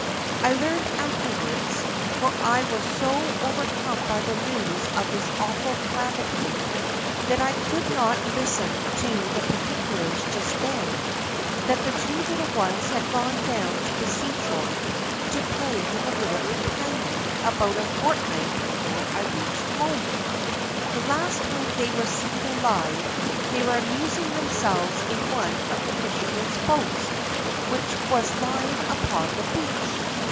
I learned afterwards, for I was so overcome by the news of this awful calamity that I could not listen to the particulars just then, that the two little ones had gone down to the seashore to play with a little companion about a fortnight before I reached home; the last time they were seen alive they were amusing themselves in one of the fisherman's boats which was lying upon the beach.